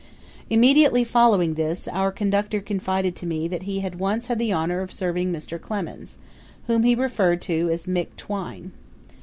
Immediately following this, our conductor confided to me that he had once had the honor of serving Mr. Clemens, whom he referred to as Mick Twine.